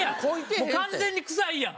もう完全に臭いやん。